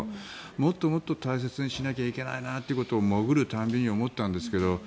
もっともっと大切にしなきゃいけないなということを潜る度に思ったんですけど